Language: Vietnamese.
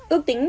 ước tính là